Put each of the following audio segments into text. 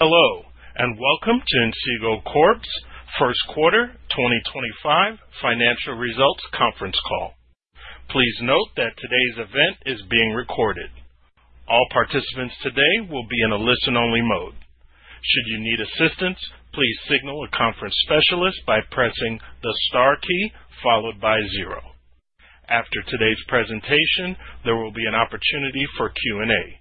Hello, and welcome to Inseego Corp's First Quarter 2025 Financial Results Conference Call. Please note that today's event is being recorded. All participants today will be in a listen-only mode. Should you need assistance, please signal a conference specialist by pressing the star key followed by zero. After today's presentation, there will be an opportunity for Q&A.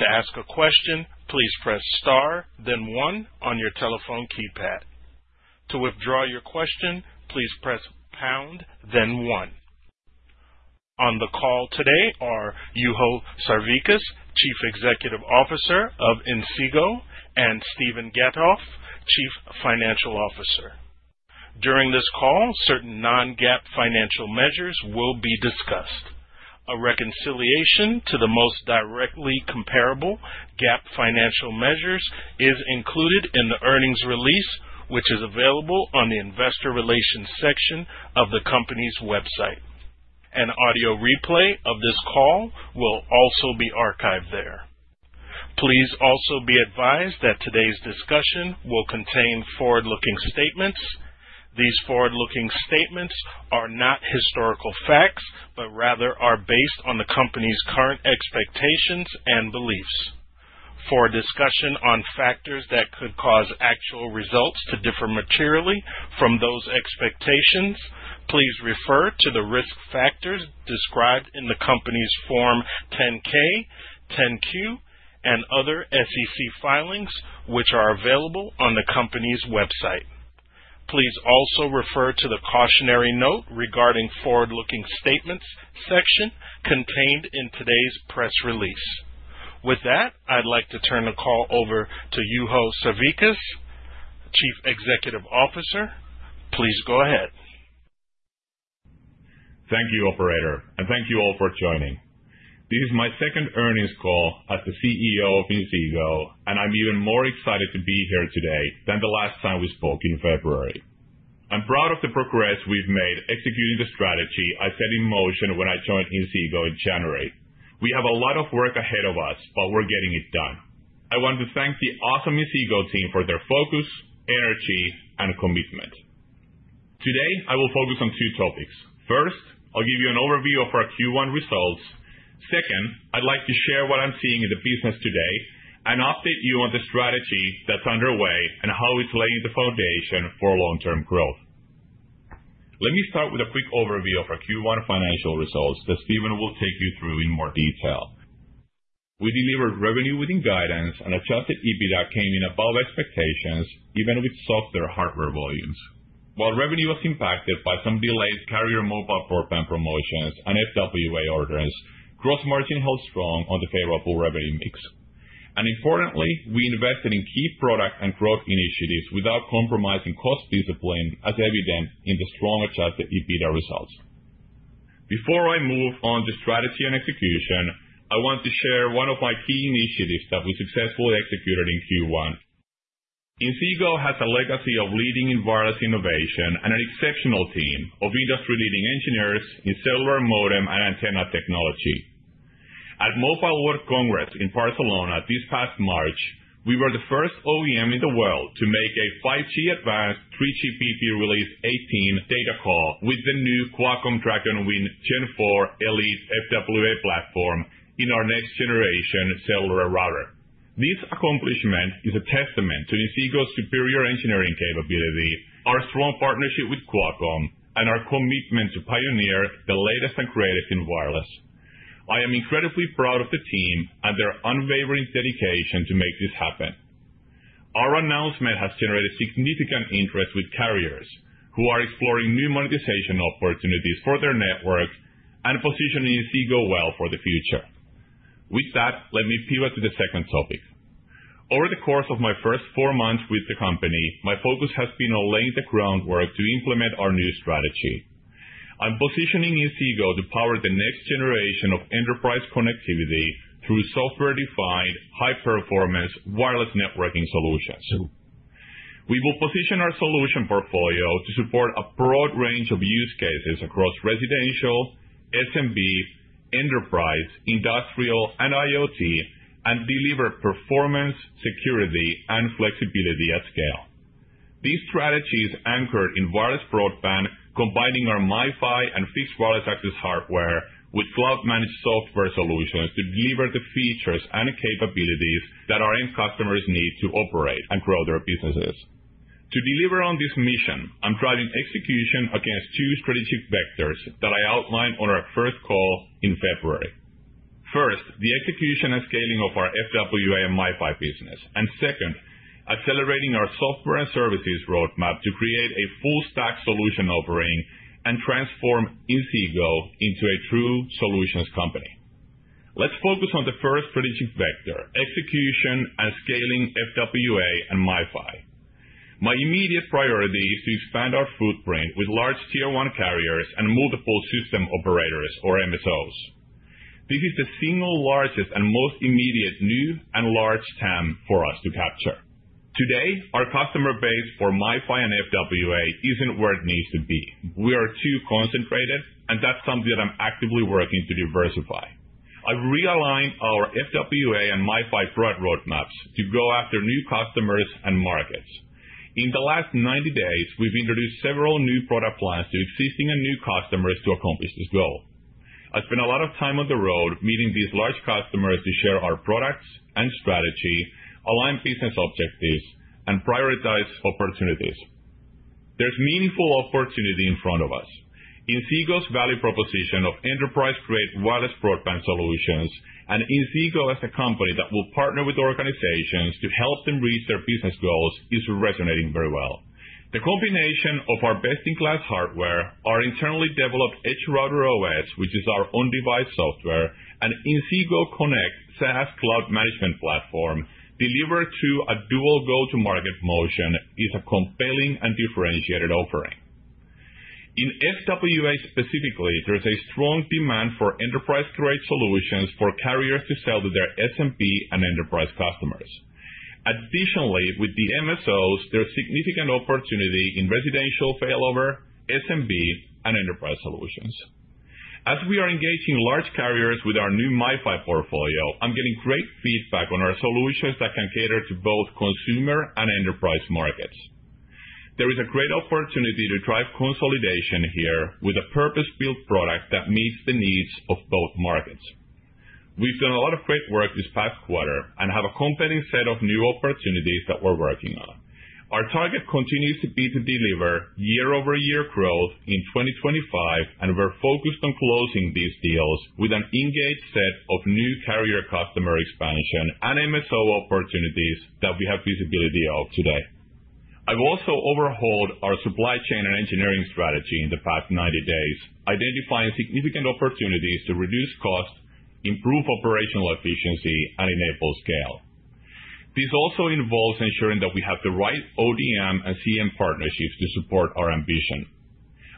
To ask a question, please press star, then one on your telephone keypad. To withdraw your question, please press pound, then one. On the call today are Juho Sarvikas, Chief Executive Officer of Inseego, and Steven Gatoff, Chief Financial Officer. During this call, certain non-GAAP financial measures will be discussed. A reconciliation to the most directly comparable GAAP financial measures is included in the earnings release, which is available on the investor relations section of the company's website. An audio replay of this call will also be archived there. Please also be advised that today's discussion will contain forward-looking statements. These forward-looking statements are not historical facts, but rather are based on the company's current expectations and beliefs. For discussion on factors that could cause actual results to differ materially from those expectations, please refer to the risk factors described in the company's Form 10-K, 10-Q, and other SEC filings, which are available on the company's website. Please also refer to the cautionary note regarding forward-looking statements section contained in today's press release. With that, I'd like to turn the call over to Juho Sarvikas, Chief Executive Officer. Please go ahead. Thank you, Operator, and thank you all for joining. This is my second earnings call as the CEO of Inseego, and I'm even more excited to be here today than the last time we spoke in February. I'm proud of the progress we've made executing the strategy I set in motion when I joined Inseego in January. We have a lot of work ahead of us, but we're getting it done. I want to thank the awesome Inseego team for their focus, energy, and commitment. Today, I will focus on two topics. First, I'll give you an overview of our Q1 results. Second, I'd like to share what I'm seeing in the business today and update you on the strategy that's underway and how it's laying the foundation for long-term growth. Let me start with a quick overview of our Q1 financial results that Steven will take you through in more detail. We delivered revenue within guidance, and adjusted EBITDA came in above expectations, even with softer hardware volumes. While revenue was impacted by some delayed carrier mobile broadband promotions and FWA orders, gross margin held strong on the favorable revenue mix. Importantly, we invested in key product and growth initiatives without compromising cost discipline, as evident in the strong adjusted EBITDA results. Before I move on to strategy and execution, I want to share one of my key initiatives that we successfully executed in Q1. Inseego has a legacy of leading in wireless innovation and an exceptional team of industry-leading engineers in cellular modem and antenna technology. At Mobile World Congress in Barcelona this past March, we were the first OEM in the world to make a 5G Advanced 3GPP release 18 data call with the new Qualcomm DragonWing Gen4 Elite FWA platform in our next-generation cellular router. This accomplishment is a testament to Inseego's superior engineering capability, our strong partnership with Qualcomm, and our commitment to pioneer the latest and greatest in wireless. I am incredibly proud of the team and their unwavering dedication to make this happen. Our announcement has generated significant interest with carriers who are exploring new monetization opportunities for their network and position Inseego well for the future. With that, let me pivot to the second topic. Over the course of my first four months with the company, my focus has been on laying the groundwork to implement our new strategy. I'm positioning Inseego to power the next generation of enterprise connectivity through software-defined, high-performance wireless networking solutions. We will position our solution portfolio to support a broad range of use cases across residential, SMB, enterprise, industrial, and IoT, and deliver performance, security, and flexibility at scale. This strategy is anchored in wireless broadband, combining our MiFi and fixed wireless access hardware with cloud-managed software solutions to deliver the features and capabilities that our end customers need to operate and grow their businesses. To deliver on this mission, I'm driving execution against two strategic vectors that I outlined on our first call in February. First, the execution and scaling of our FWA and MiFi business, and second, accelerating our software and services roadmap to create a full-stack solution offering and transform Inseego into a true solutions company. Let's focus on the first strategic vector: execution and scaling FWA and MiFi. My immediate priority is to expand our footprint with large tier-one carriers and multiple system operators, or MSOs. This is the single largest and most immediate new and large TAM for us to capture. Today, our customer base for MiFi and FWA isn't where it needs to be. We are too concentrated, and that's something that I'm actively working to diversify. I've realigned our FWA and MiFi product roadmaps to go after new customers and markets. In the last 90 days, we've introduced several new product plans to existing and new customers to accomplish this goal. I spent a lot of time on the road meeting these large customers to share our products and strategy, align business objectives, and prioritize opportunities. There's meaningful opportunity in front of us. Inseego's value proposition of enterprise-grade wireless broadband solutions and Inseego as a company that will partner with organizations to help them reach their business goals is resonating very well. The combination of our best-in-class hardware, our internally developed EDGE router OS, which is our on-device software, and Inseego Connect SaaS cloud management platform delivered through a dual go-to-market motion is a compelling and differentiated offering. In FWA specifically, there's a strong demand for enterprise-grade solutions for carriers to sell to their SMB and enterprise customers. Additionally, with the MSOs, there's significant opportunity in residential failover, SMB, and enterprise solutions. As we are engaging large carriers with our new MiFi portfolio, I'm getting great feedback on our solutions that can cater to both consumer and enterprise markets. There is a great opportunity to drive consolidation here with a purpose-built product that meets the needs of both markets. We've done a lot of great work this past quarter and have a compelling set of new opportunities that we're working on. Our target continues to be to delever year-over-year growth in 2025, and we're focused on closing these deals with an engaged set of new carrier customer expansion and MSO opportunities that we have visibility of today. I've also overhauled our supply chain and engineering strategy in the past 90 days, identifying significant opportunities to reduce cost, improve operational efficiency, and enable scale. This also involves ensuring that we have the right ODM and CM partnerships to support our ambition.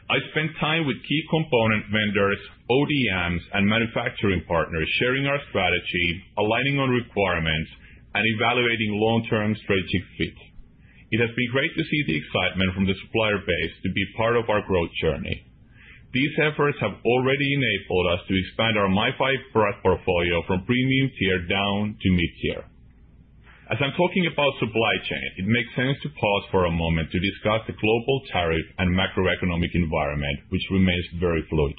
I spent time with key component vendors, ODMs, and manufacturing partners sharing our strategy, aligning on requirements, and evaluating long-term strategic fit. It has been great to see the excitement from the supplier base to be part of our growth journey. These efforts have already enabled us to expand our MiFi product portfolio from premium tier down to mid-tier. As I'm talking about supply chain, it makes sense to pause for a moment to discuss the global tariff and macroeconomic environment, which remains very fluid.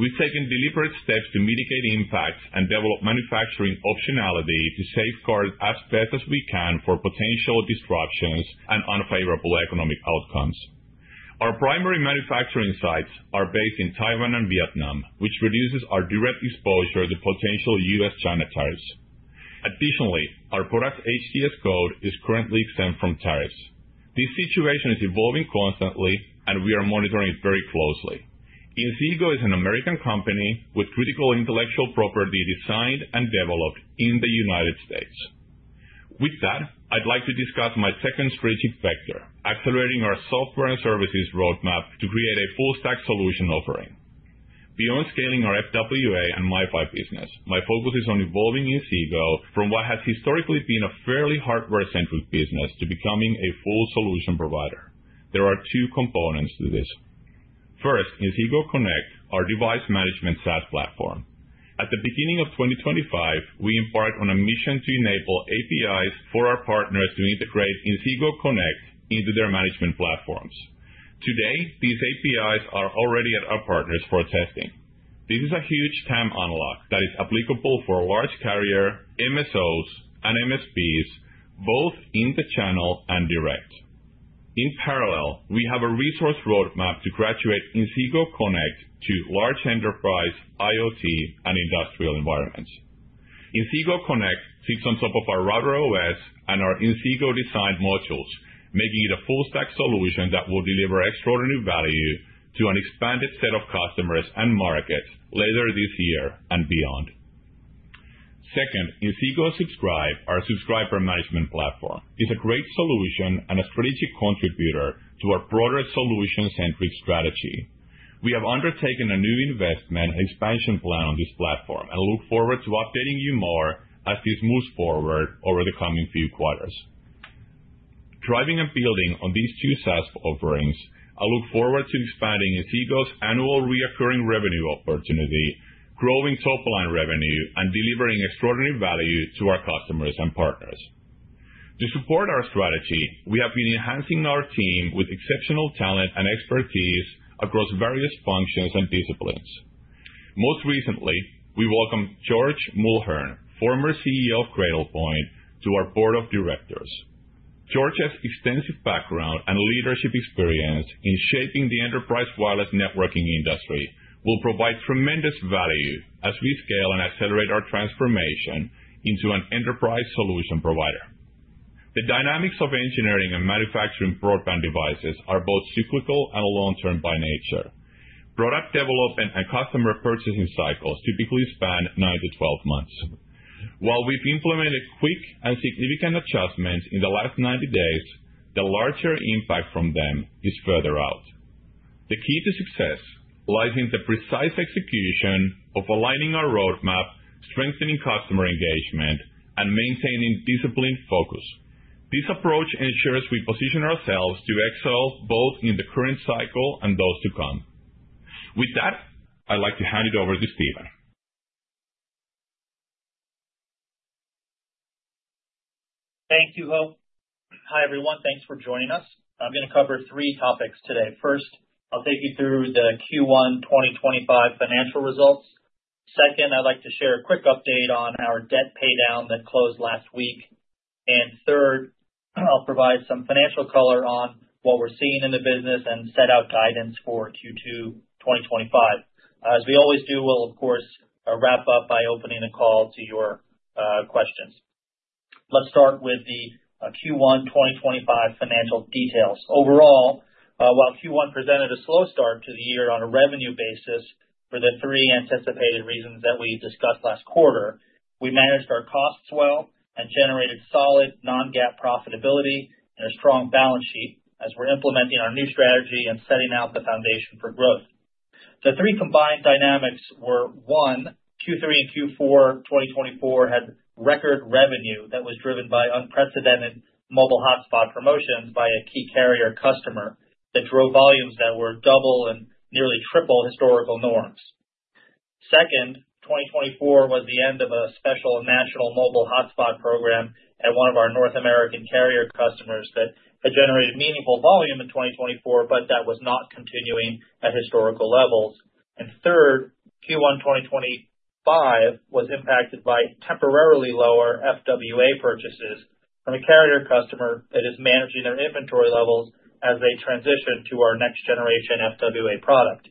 We've taken deliberate steps to mitigate impacts and develop manufacturing optionality to safeguard as best as we can for potential disruptions and unfavorable economic outcomes. Our primary manufacturing sites are based in Taiwan and Vietnam, which reduces our direct exposure to potential U.S.-China tariffs. Additionally, our product's HS code is currently exempt from tariffs. This situation is evolving constantly, and we are monitoring it very closely. Inseego is an American company with critical intellectual property designed and developed in the United States. With that, I'd like to discuss my second strategic vector: accelerating our software and services roadmap to create a full-stack solution offering. Beyond scaling our FWA and MiFi business, my focus is on evolving Inseego from what has historically been a fairly hardware-centric business to becoming a full solution provider. There are two components to this. First, Inseego Connect, our device management SaaS platform. At the beginning of 2025, we embarked on a mission to enable APIs for our partners to integrate Inseego Connect into their management platforms. Today, these APIs are already at our partners for testing. This is a huge TAM unlock that is applicable for large carriers, MSOs, and MSPs, both in-the-channel and direct. In parallel, we have a resource roadmap to graduate Inseego Connect to large enterprise, IoT, and industrial environments. Inseego Connect sits on top of our router OS and our Inseego-designed modules, making it a full-stack solution that will deliver extraordinary value to an expanded set of customers and markets later this year and beyond. Second, Inseego Subscribe, our subscriber management platform, is a great solution and a strategic contributor to our broader solution-centric strategy. We have undertaken a new investment and expansion plan on this platform and look forward to updating you more as this moves forward over the coming few quarters. Driving and building on these two SaaS offerings, I look forward to expanding Inseego's annual recurring revenue opportunity, growing top-line revenue, and delivering extraordinary value to our customers and partners. To support our strategy, we have been enhancing our team with exceptional talent and expertise across various functions and disciplines. Most recently, we welcomed George Mulhern, former CEO of Cradlepoint, to our board of directors. George's extensive background and leadership experience in shaping the enterprise wireless networking industry will provide tremendous value as we scale and accelerate our transformation into an enterprise solution provider. The dynamics of engineering and manufacturing broadband devices are both cyclical and long-term by nature. Product development and customer purchasing cycles typically span 9-12 months. While we've implemented quick and significant adjustments in the last 90 days, the larger impact from them is further out. The key to success lies in the precise execution of aligning our roadmap, strengthening customer engagement, and maintaining disciplined focus. This approach ensures we position ourselves to excel both in the current cycle and those to come. With that, I'd like to hand it over to Steven. Thank you, Juho. Hi, everyone. Thanks for joining us. I'm going to cover three topics today. First, I'll take you through the Q1 2025 financial results. Second, I'd like to share a quick update on our debt paydown that closed last week. Third, I'll provide some financial color on what we're seeing in the business and set out guidance for Q2 2025. As we always do, we'll, of course, wrap up by opening the call to your questions. Let's start with the Q1 2025 financial details. Overall, while Q1 presented a slow start to the year on a revenue basis for the three anticipated reasons that we discussed last quarter, we managed our costs well and generated solid non-GAAP profitability and a strong balance sheet as we're implementing our new strategy and setting out the foundation for growth. The three combined dynamics were: one, Q3 and Q4 2024 had record revenue that was driven by unprecedented mobile hotspot promotions by a key carrier customer that drove volumes that were double and nearly triple historical norms. Second, 2024 was the end of a special national mobile hotspot program at one of our North American carrier customers that had generated meaningful volume in 2024, but that was not continuing at historical levels. Third, Q1 2025 was impacted by temporarily lower FWA purchases from a carrier customer that is managing their inventory levels as they transitioned to our next-generation FWA product.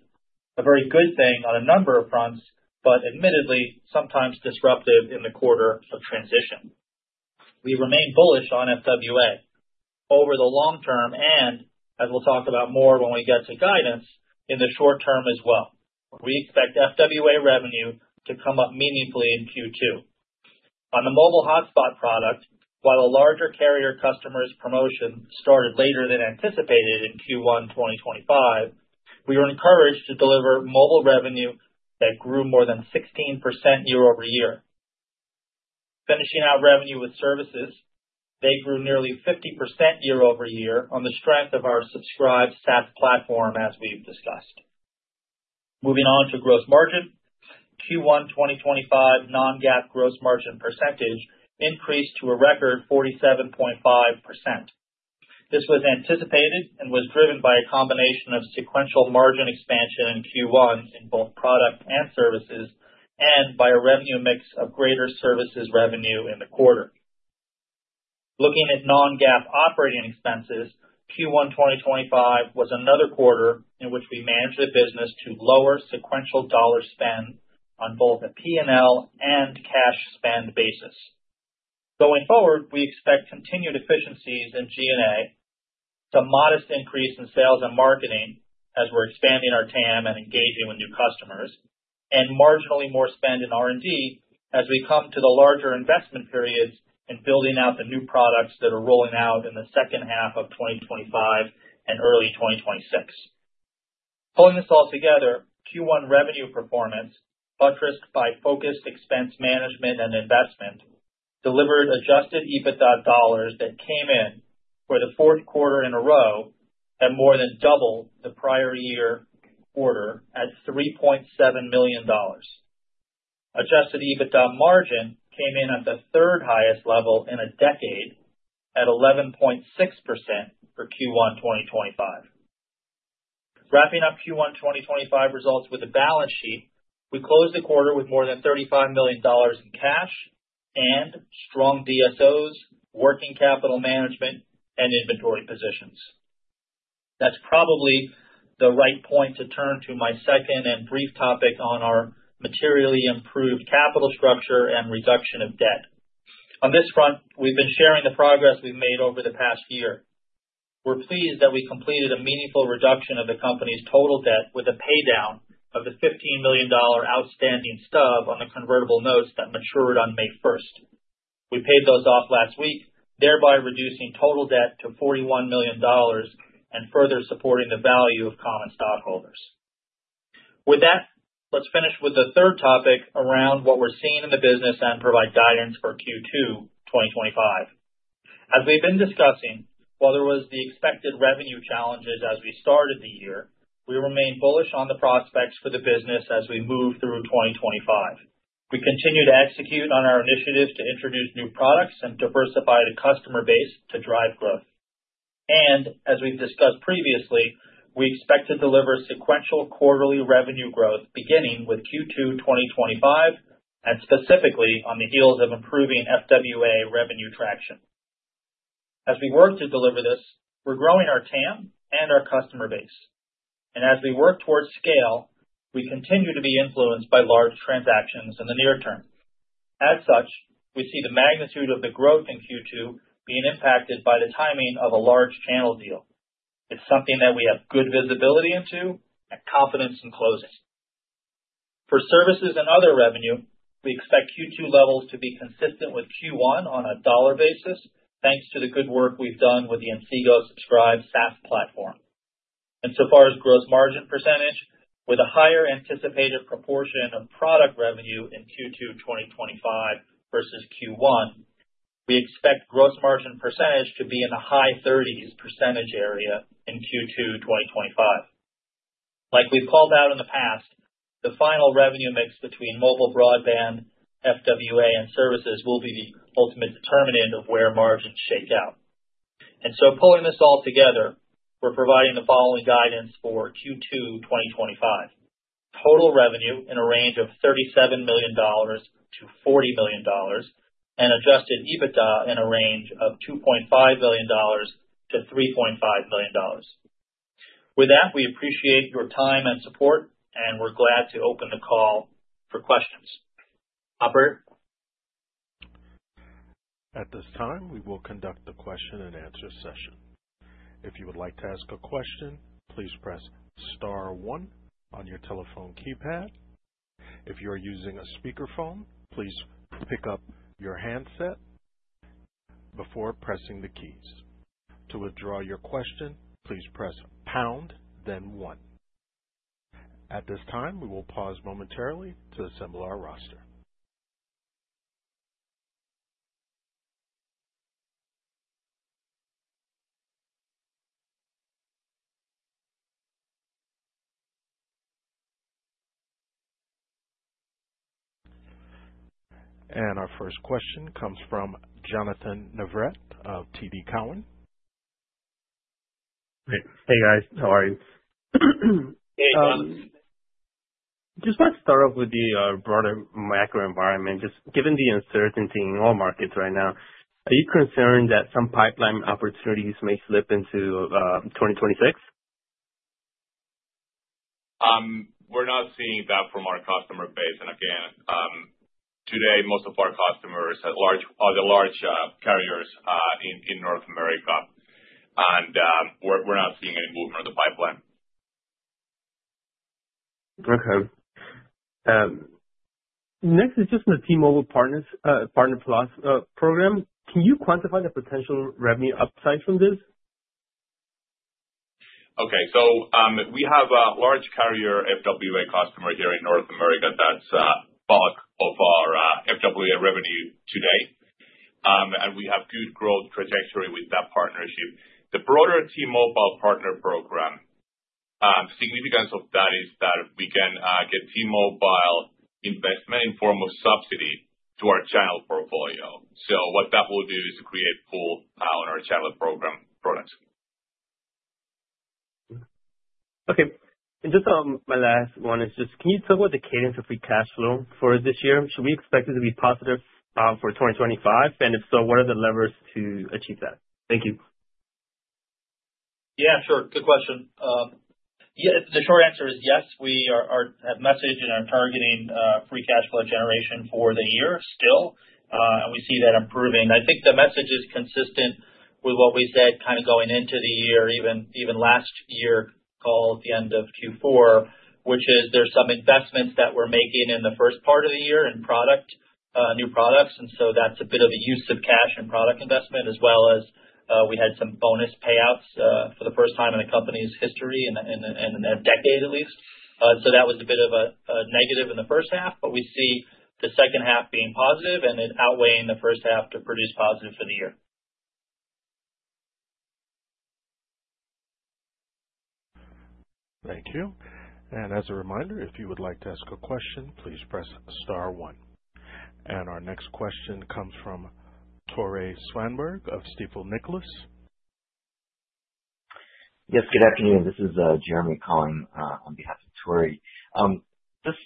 A very good thing on a number of fronts, but admittedly, sometimes disruptive in the quarter of transition. We remain bullish on FWA over the long term and, as we'll talk about more when we get to guidance, in the short term as well. We expect FWA revenue to come up meaningfully in Q2. On the mobile hotspot product, while a larger carrier customer's promotion started later than anticipated in Q1 2025, we were encouraged to deliver mobile revenue that grew more than 16% year-over-year. Finishing out revenue with services, they grew nearly 50% year-over-year on the strength of our subscribed SaaS platform, as we've discussed. Moving on to gross margin, Q1 2025 non-GAAP gross margin percentage increased to a record 47.5%. This was anticipated and was driven by a combination of sequential margin expansion in Q1 in both product and services and by a revenue mix of greater services revenue in the quarter. Looking at non-GAAP operating expenses, Q1 2025 was another quarter in which we managed the business to lower sequential dollar spend on both a P&L and cash spend basis. Going forward, we expect continued efficiencies in G&A, some modest increase in sales and marketing as we're expanding our TAM and engaging with new customers, and marginally more spend in R&D as we come to the larger investment periods and building out the new products that are rolling out in the second half of 2025 and early 2026. Pulling this all together, Q1 revenue performance, buttressed by focused expense management and investment, delivered adjusted EBITDA dollars that came in for the fourth quarter in a row and more than doubled the prior year quarter at $3.7 million. Adjusted EBITDA margin came in at the third highest level in a decade at 11.6% for Q1 2025. Wrapping up Q1 2025 results with a balance sheet, we closed the quarter with more than $35 million in cash and strong DSOs, working capital management, and inventory positions. That's probably the right point to turn to my second and brief topic on our materially improved capital structure and reduction of debt. On this front, we've been sharing the progress we've made over the past year. We're pleased that we completed a meaningful reduction of the company's total debt with a paydown of the $15 million outstanding stub on the convertible notes that matured on May 1st. We paid those off last week, thereby reducing total debt to $41 million and further supporting the value of common stockholders. With that, let's finish with the third topic around what we're seeing in the business and provide guidance for Q2 2025. As we've been discussing, while there were the expected revenue challenges as we started the year, we remain bullish on the prospects for the business as we move through 2025. We continue to execute on our initiatives to introduce new products and diversify the customer base to drive growth. As we have discussed previously, we expect to delever sequential quarterly revenue growth beginning with Q2 2025, specifically on the heels of improving FWA revenue traction. As we work to delever this, we are growing our TAM and our customer base. As we work towards scale, we continue to be influenced by large transactions in the near term. As such, we see the magnitude of the growth in Q2 being impacted by the timing of a large channel deal. It is something that we have good visibility into and confidence in closing. For services and other revenue, we expect Q2 levels to be consistent with Q1 on a dollar basis, thanks to the good work we have done with the Inseego's Subscribe SaaS platform. So far as gross margin percentage, with a higher anticipated proportion of product revenue in Q2 2025 versus Q1, we expect gross margin percentage to be in the high 30% area in Q2 2025. Like we've called out in the past, the final revenue mix between mobile broadband, FWA, and services will be the ultimate determinant of where margins shake out. Pulling this all together, we're providing the following guidance for Q2 2025: total revenue in a range of $37 million-$40 million and adjusted EBITDA in a range of $2.5 million-$3.5 million. With that, we appreciate your time and support, and we're glad to open the call for questions. Operator? At this time, we will conduct the question and answer session. If you would like to ask a question, please press star one on your telephone keypad. If you are using a speakerphone, please pick up your handset before pressing the keys. To withdraw your question, please press pound, then one. At this time, we will pause momentarily to assemble our roster. Our first question comes from Jonnathan Navarrete of TD Cowen. Hey, guys. How are you? Hey, Jonathan. Just want to start off with the broader macro environment. Just given the uncertainty in all markets right now, are you concerned that some pipeline opportunities may slip into 2026? We're not seeing that from our customer base. Again, today, most of our customers are the large carriers in North America, and we're not seeing any movement of the pipeline. Okay. Next is just from the T-Mobile Partner Plus program. Can you quantify the potential revenue upside from this? Okay. We have a large carrier FWA customer here in North America that's bulk of our FWA revenue today. We have good growth trajectory with that partnership. The broader T-Mobile Partner program, significance of that is that we can get T-Mobile investment in the form of subsidy to our channel portfolio. What that will do is create pull on our channel program products. Okay. Just my last one is just, can you talk about the cadence of free cash flow for this year? Should we expect it to be positive for 2025? If so, what are the levers to achieve that? Thank you. Yeah, sure. Good question. Yeah, the short answer is yes. We have messaged and are targeting free cash flow generation for the year still, and we see that improving. I think the message is consistent with what we said kind of going into the year, even last year called at the end of Q4, which is there's some investments that we're making in the first part of the year in new products. That is a bit of a use of cash and product investment, as well as we had some bonus payouts for the first time in the company's history in a decade, at least. That was a bit of a negative in the first half, but we see the second half being positive and it outweighing the first half to produce positive for the year. Thank you. As a reminder, if you would like to ask a question, please press star one. Our next question comes from Tore Svanberg of Stifel Nicolaus. Yes, good afternoon. This is Jeremy calling on behalf of Tore. Just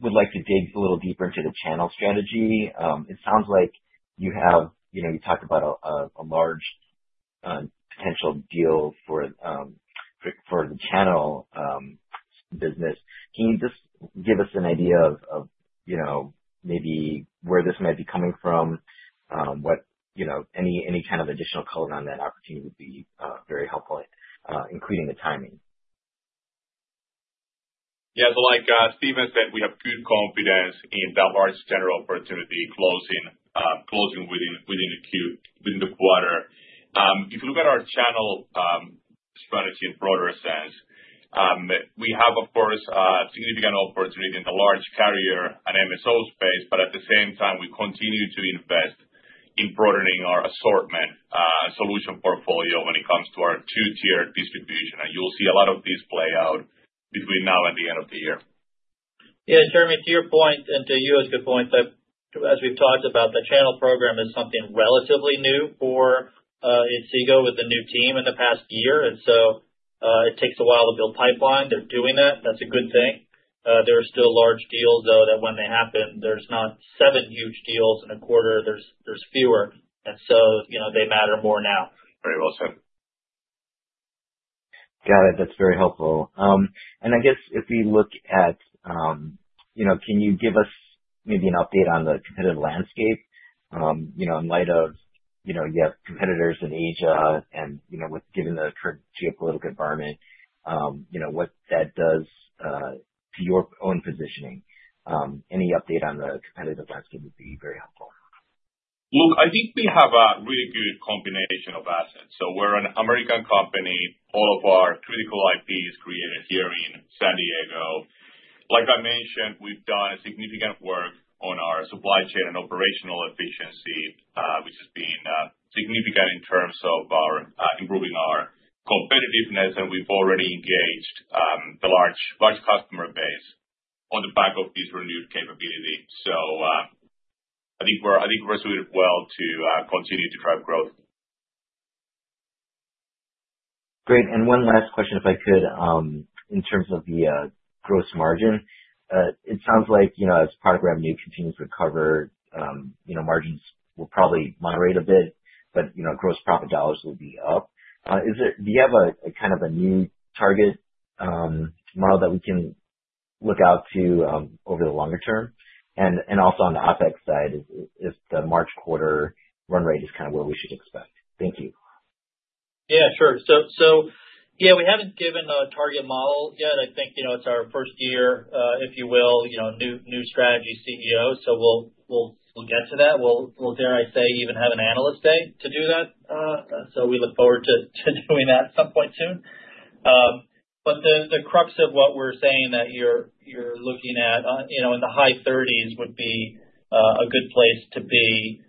would like to dig a little deeper into the channel strategy. It sounds like you talked about a large potential deal for the channel business. Can you just give us an idea of maybe where this might be coming from? Any kind of additional color on that opportunity would be very helpful, including the timing. Yeah. Like Steven said, we have good confidence in that large channel opportunity closing within the quarter. If you look at our channel strategy in a broader sense, we have, of course, a significant opportunity in the large carrier and MSO space, but at the same time, we continue to invest in broadening our assortment solution portfolio when it comes to our two-tier distribution. You'll see a lot of this play out between now and the end of the year. Yeah, Jeremy, to your point, and to you, it's a good point. As we've talked about, the channel program is something relatively new for Inseego with the new team in the past year. It takes a while to build pipeline. They're doing that. That's a good thing. There are still large deals, though, that when they happen, there's not seven huge deals in a quarter. There's fewer. They matter more now. Very well said. Got it. That's very helpful. I guess if we look at, can you give us maybe an update on the competitive landscape in light of you have competitors in Asia and given the current geopolitical environment, what that does to your own positioning? Any update on the competitive landscape would be very helpful. Look, I think we have a really good combination of assets. We are an American company. All of our critical IP is created here in San Diego. Like I mentioned, we've done significant work on our supply chain and operational efficiency, which has been significant in terms of improving our competitiveness. We've already engaged the large customer base on the back of this renewed capability. I think we're suited well to continue to drive growth. Great. One last question, if I could, in terms of the gross margin. It sounds like as product revenue continues to recover, margins will probably moderate a bit, but gross profit dollars will be up. Do you have a kind of a new target model that we can look out to over the longer term? Also, on the OpEx side, if the March quarter run rate is kind of where we should expect. Thank you. Yeah, sure. Yeah, we haven't given a target model yet. I think it's our first year, if you will, new strategy CEO. We'll get to that. We'll, dare I say, even have an Analyst Day to do that. We look forward to doing that at some point soon. The crux of what we're saying that you're looking at in the high 30s would be a good place to be.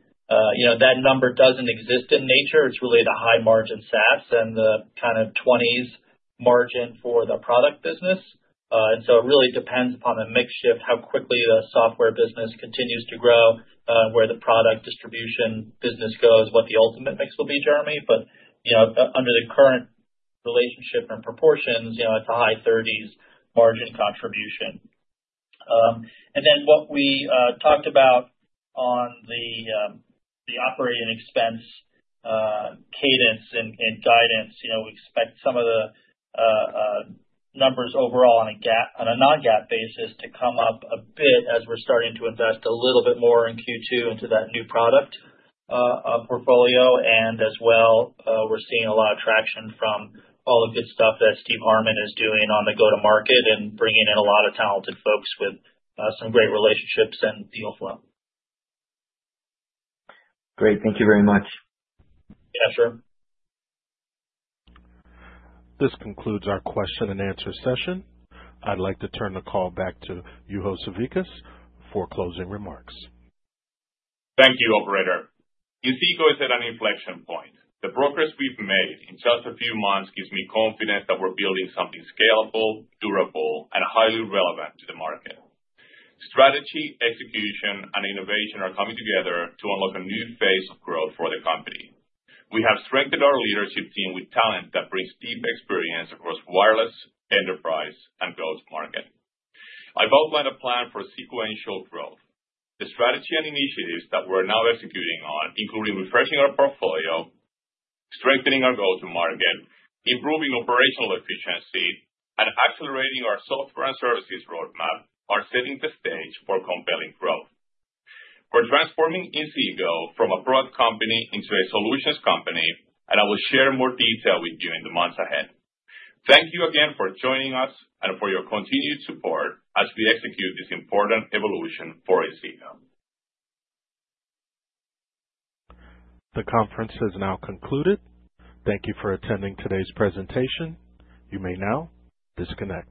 That number doesn't exist in nature. It's really the high margin SaaS and the kind of 20s margin for the product business. It really depends upon the mix shift, how quickly the software business continues to grow, where the product distribution business goes, what the ultimate mix will be, Jeremy. Under the current relationship and proportions, it's a high 30s margin contribution. What we talked about on the operating expense cadence and guidance, we expect some of the numbers overall on a non-GAAP basis to come up a bit as we're starting to invest a little bit more in Q2 into that new product portfolio. As well, we're seeing a lot of traction from all the good stuff that Steve Harmon is doing on the go-to-market and bringing in a lot of talented folks with some great relationships and deals flow. Great. Thank you very much. Yeah, sure. This concludes our question and answer session. I'd like to turn the call back to Juho Sarvikas for closing remarks. Thank you, Operator. Inseego is at an inflection point. The progress we've made in just a few months gives me confidence that we're building something scalable, durable, and highly relevant to the market. Strategy, execution, and innovation are coming together to unlock a new phase of growth for the company. We have strengthened our leadership team with talent that brings deep experience across wireless, enterprise, and go-to-market. I've outlined a plan for sequential growth. The strategy and initiatives that we're now executing on, including refreshing our portfolio, strengthening our go-to-market, improving operational efficiency, and accelerating our software and services roadmap, are setting the stage for compelling growth. We're transforming Inseego from a product company into a solutions company, and I will share more detail with you in the months ahead. Thank you again for joining us and for your continued support as we execute this important evolution for Inseego. The conference has now concluded. Thank you for attending today's presentation. You may now disconnect.